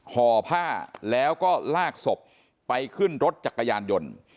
ห่อผ้าแล้วก็ลากศพไปขึ้นรถจักรยานยนต์